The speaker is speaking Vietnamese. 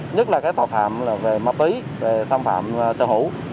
nhất là cái tội phạm là về mập ý về xâm phạm sở hữu